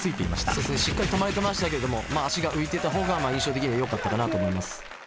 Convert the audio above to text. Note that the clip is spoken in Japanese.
そうですねしっかり止まれてましたけれども足が浮いてたほうが印象的でよかったかなと思います。